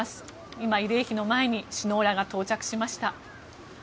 今、慰霊碑の前に首脳らが到着しました。